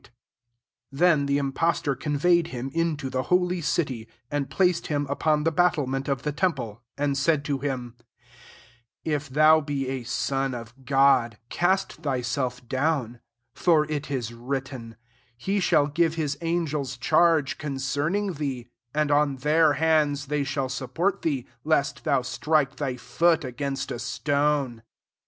* *'t 5 Then the impostor conveyed him into the holy city, and placed him upon the battle ment of the temple, 6 and said to him, *' If thou bo a son of God, cast thyself down : for it is written, ^ He shall give his angels charge concerning thee : and on (heir hands they shall support thee, lest thou strike thy foot against a stone.'